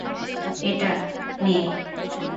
এই, এটা নে।